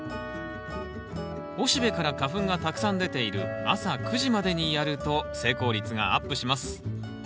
雄しべから花粉がたくさん出ている朝９時までにやると成功率がアップします。